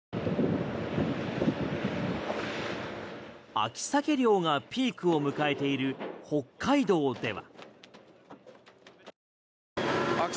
秋サケ漁がピークを迎えている北海道では。